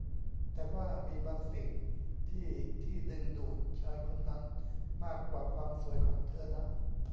แต่ว่ามีบางสิ่งที่ที่ดึงดูดชายคนนั้นมากกว่าความสวยของเธอนะ